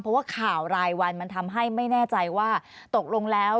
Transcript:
เพราะว่าข่าวรายวันมันทำให้ไม่แน่ใจว่าตกลงแล้ว